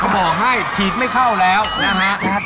บอกให้ฉีกไม่เข้าแล้วนะครับ